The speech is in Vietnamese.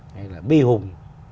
hay là bi hùng